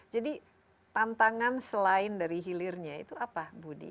jadi tantangan selain dari hilirnya itu apa budi